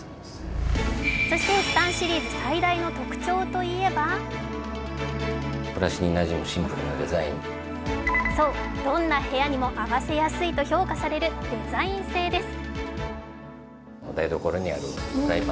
そして、ＳＴＡＮ．シリーズ最大の特徴といえばそう、どんな部屋にも合わせやすいと評価されるデザイン性です。